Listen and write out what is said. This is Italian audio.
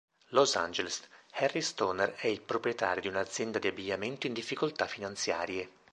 Los Angeles: Harry Stoner è il proprietario di un'azienda di abbigliamento in difficoltà finanziarie.